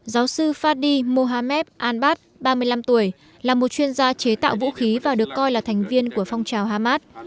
giáo sư fadi mohammad anbat ba mươi năm tuổi là một chuyên gia chế tạo vũ khí và được coi là thành viên của phong trào hamas